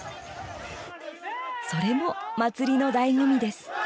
それも祭りのだいご味です。